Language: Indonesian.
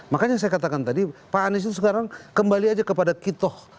makanya saya katakan tadi pak anies itu sekarang kembali aja kepada kitoh